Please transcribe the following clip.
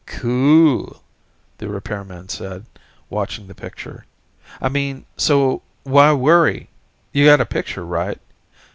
"Cool," the repairman said, watching the picture. "I mean, so why worry? You got a picture, right?